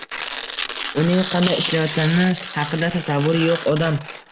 uning qanday ishlayotgani haqida tasavvuri yo‘q odam